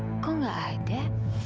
kok enggak ada